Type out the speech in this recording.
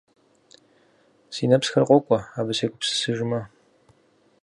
Си нэпсхэр къокӀуэ, абы сегупсысыжмэ.